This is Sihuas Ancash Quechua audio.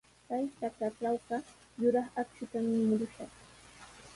Kay trakratrawqa yuraq akshutami murushaq.